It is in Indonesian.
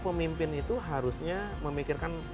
pemimpin itu harusnya memikirkan